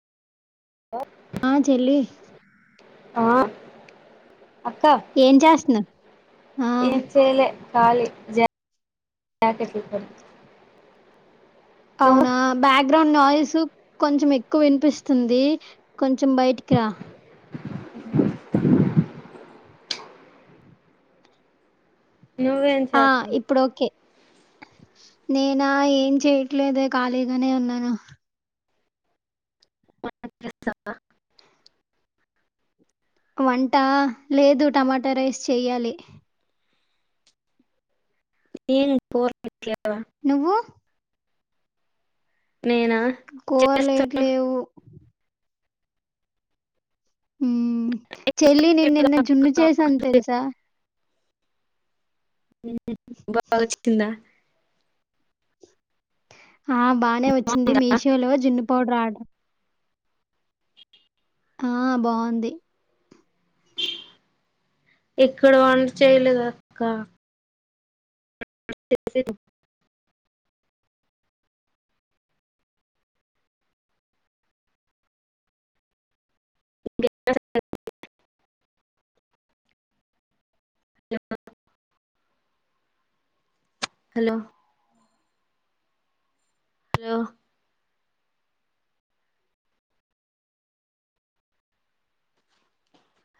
ఆ చెల్లి ఆహ్ ఏం చేస్తన్నావ్ ఏం చేయ్లే రాలే [unintelligible] అవునా బ్యాక్గ్రౌండ్ నయిస్ సూ కొంచెం ఎక్కువ వినిపిస్తుంది. కొంచెం బయటికి రా నువ్వేం ఆ చేస్తున్నావ్ ఇప్పుడు ఓకే నేనా ఏం చెయట్లేదే ఖాళీగానే ఉన్నాను. వంట చేస్తావా వంట లేదు టమాటా రైస్ చెయ్యాలి. ఏం కూరలు నువ్వు నేనా కూరలు చేస్తా ఏట్ లేవు. ఉహ్మ్ చెల్లి నేన్నెన్న జున్న చేేసన్ తెల్సా ఉమ్ బాగా చికిందా ఆ బాగానే వచ్చింది మీషోలో జున్ను పౌడర్ ఆర్డర్ ఆ బాగుంది ఎక్కడ వంట చేయలేదు అక్క హలో హలో